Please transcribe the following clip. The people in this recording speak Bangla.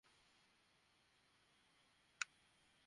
হয়তো আপনার নতুন জীবনটা কল্পনার চেয়েও সুখে ভরপুর থাকবে।